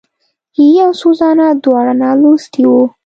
هېي او سوزانا دواړه نالوستي وو.